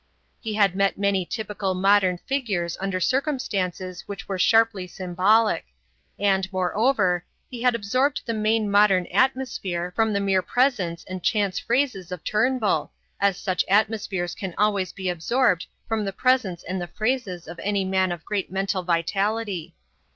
He had met many typical modern figures under circumstances which were sharply symbolic; and, moreover, he had absorbed the main modern atmosphere from the mere presence and chance phrases of Turnbull, as such atmospheres can always be absorbed from the presence and the phrases of any man of great mental vitality.